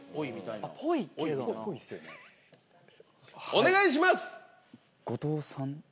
お願いします。